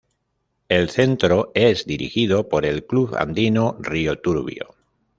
El Centro es dirigido por el Club Andino Río Turbio.